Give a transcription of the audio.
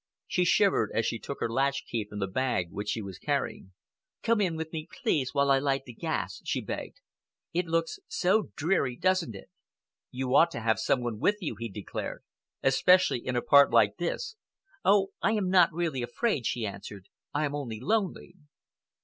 She shivered as she took her latchkey from the bag which she was carrying. "Come in with me, please, while I light the gas," she begged. "It looks so dreary, doesn't it?" "You ought to have some one with you," he declared, "especially in a part like this." "Oh, I am not really afraid," she answered. "I am only lonely."